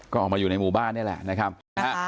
ก็ออกมาอยู่ในหมู่บ้านนี่แหละนะครับ